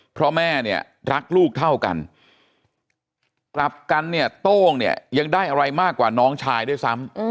เพราะแม่เนี่ยรักลูกเท่ากันกลับกันเนี่ยโต้งเนี่ยยังได้อะไรมากกว่าน้องชายด้วยซ้ำ